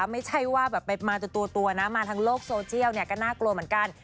ไม่ใช่ว่าแบบไปมาจนตัวนะมาทางโลกโซเชียลเนี่ยก็น่ากลัวเหมือนกัน